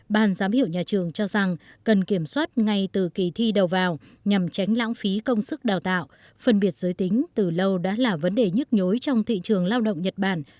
ban giám hiệu nhà trường cho rằng cần kiểm soát ngay từ kỳ thi đầu vào nhằm tránh lãng phí công sức đào tạo phân biệt giới tính từ lâu đã là vấn đề nhức nhối trong thị trường lao động nhật bản